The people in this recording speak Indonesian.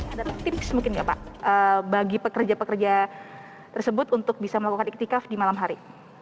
ada tips mungkin nggak pak bagi pekerja pekerja tersebut untuk bisa melakukan iktikaf di malam hari